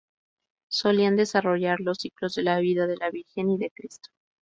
Solían desarrollar los ciclos de la vida de la Virgen y de Cristo.